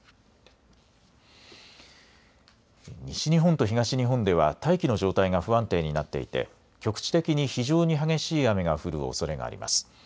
西日本と東日本では大気の状態が不安定になっていて局地的に非常に激しい雨が降るおそれがあります。